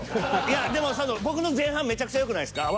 いやでも僕の前半めちゃくちゃよくないですか？